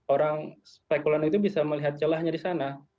orang spekulan itu bisa melihat celahnya di sana